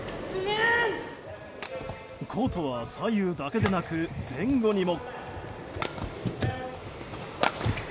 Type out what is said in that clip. コートは左右だけでなく前後にも。